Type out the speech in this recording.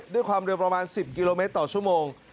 ด้วยความเร็วประมาณ๑๐กิโลเมตรต่อชั่วโมง